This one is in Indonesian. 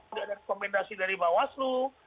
ada rekomendasi dari mbak waslu